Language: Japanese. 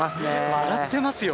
笑ってますよ。